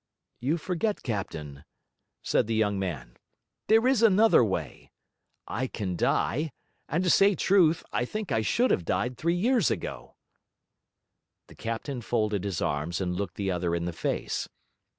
'You forget, captain,' said the young man. 'There is another way. I can die; and to say truth, I think I should have died three years ago.' The captain folded his arms and looked the other in the face.